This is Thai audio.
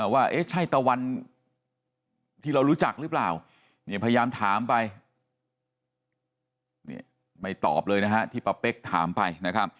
ว่าใช่ตะวันที่เรารู้จักหรือเปล่าพยายามถามไปไม่ตอบเลยนะฮะที่ป้าเป๊กถามไปนะครับ